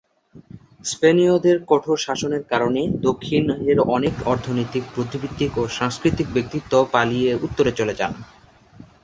স্পেনীয়দের কঠোর শাসনের কারণে দক্ষিণের অনেক অর্থনৈতিক, বুদ্ধিবৃত্তিক ও সাংস্কৃতিক ব্যক্তিত্ব পালিয়ে উত্তরে চলে যান।